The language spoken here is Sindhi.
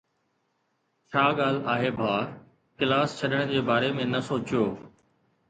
ڇا ڳالهه آهي ڀاءُ؟ ڪلاس ڇڏڻ جي باري ۾ نه سوچيو.